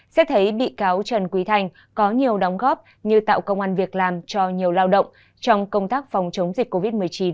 xét thấy bị cáo trần quý thanh có nhiều đóng góp như tạo công an việc làm cho nhiều lao động trong công tác phòng chống dịch covid một mươi chín